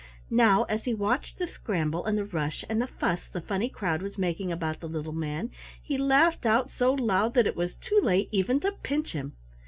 Now, as he watched the scramble and the rush and the fuss the funny crowd was making about the little man, he laughed out so loud that it was too late even to pinch him.